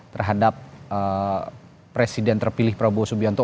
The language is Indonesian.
terhadap presiden terpilih prabowo subianto